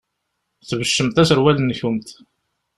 Tbeccemt aserwal-nkent.